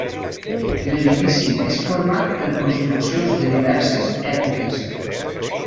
L'edifici és format per construccions de diverses èpoques.